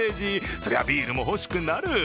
そりゃビールも欲しくなる。